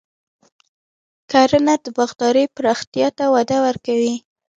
کرنه د باغدارۍ پراختیا ته وده ورکوي.